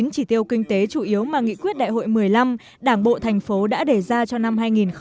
chín chỉ tiêu kinh tế chủ yếu mà nghị quyết đại hội một mươi năm đảng bộ thành phố đã đề ra cho năm hai nghìn hai mươi